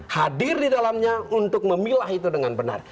hadir di dalamnya untuk memilah itu dengan benar